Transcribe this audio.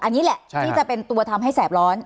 อันนี้แหละที่จะเป็นตัวทำให้แสบร้อน